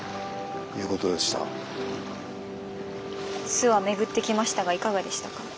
諏訪巡ってきましたがいかがでしたか？